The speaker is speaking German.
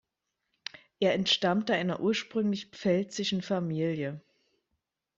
Er entstammte einer ursprünglich pfälzischen Familie.